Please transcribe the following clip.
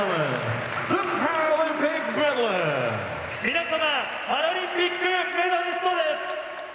皆様パラリンピックメダリストです。